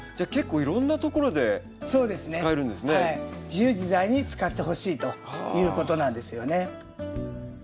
自由自在に使ってほしいということなんですよね。